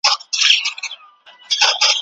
!شینکی آسمانه